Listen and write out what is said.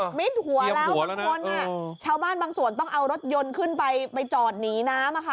มิดหัวแล้วบางคนอ่ะชาวบ้านบางส่วนต้องเอารถยนต์ขึ้นไปไปจอดหนีน้ำอะค่ะ